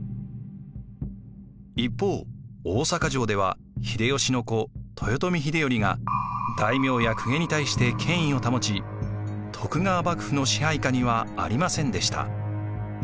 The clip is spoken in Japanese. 一方大坂城では秀吉の子豊臣秀頼が大名や公家に対して権威を保ち徳川幕府の支配下にはありませんでした。